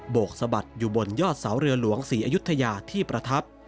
กสะบัดอยู่บนยอดเสาเรือหลวงศรีอยุธยาที่ประทับ